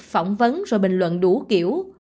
phỏng vấn rồi bình luận đủ kiểu